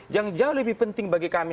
yang jauh lebih penting bagi kami